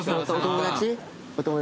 お友達？